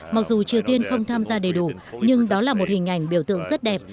mặc dù triều tiên không tham gia đầy đủ nhưng đó là một hình ảnh biểu tượng rất đẹp